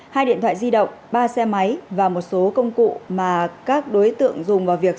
hai điện thoại di động ba xe máy và một số công cụ mà các đối tượng dùng vào việc